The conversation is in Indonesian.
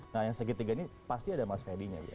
nah yang segitiga ini pasti ada mas fedy nya